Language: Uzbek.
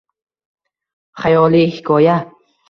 Xayoliy hikoya